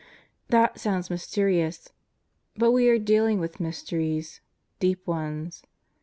That sounds mysterious; but we are dealing with mysteries deep ones.